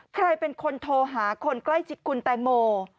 ใครเป็นคนโทรหาคนใกล้ชิดคุณแตงโม